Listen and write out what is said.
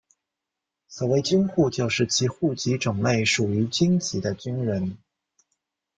所谓的军户就是其户籍种类属于军籍的军人。